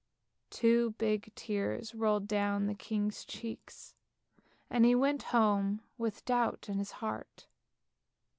Two big tears rolled down the king's cheeks, and he went home with doubt in his heart.